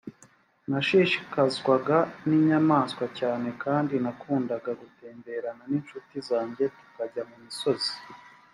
nashishikazwaga n inyamaswa cyane kandi nakundaga gutemberana n inshuti zange tukajya mu misozi